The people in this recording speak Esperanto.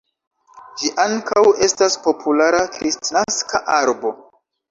Ĝi ankaŭ estas populara kristnaska arbo.